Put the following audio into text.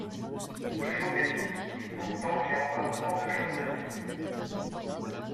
J’obéis… et pourtant j’ai encore tant de choses à vous dire…